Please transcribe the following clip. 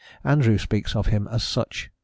Andrew speaks of him as such (i.